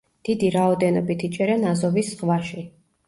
დიდი რაოდენობით იჭერენ აზოვის ზღვაში.